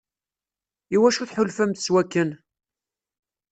Iwacu tḥulfamt s wakken?